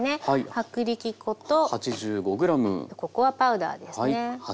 薄力粉とココアパウダーですね。